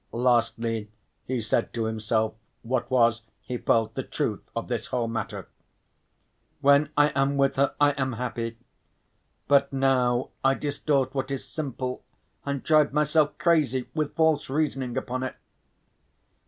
Lastly, he said to himself what was, he felt, the truth of this whole matter: "When I am with her I am happy. But now I distort what is simple and drive myself crazy with false reasoning upon it."